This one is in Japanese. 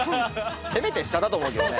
せめて下だと思うけどね。